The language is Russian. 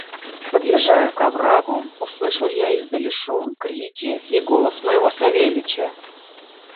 Подъезжая к оврагу, услышал я издали шум, крики и голос моего Савельича.